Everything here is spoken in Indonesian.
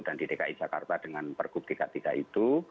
dan dki jakarta dengan pergub tiga puluh tiga itu